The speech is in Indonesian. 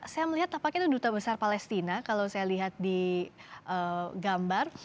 saya melihat apakah itu duta besar palestina kalau saya lihat di gambar